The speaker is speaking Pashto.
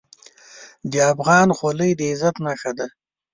د افغان خولۍ د عزت نښه ده.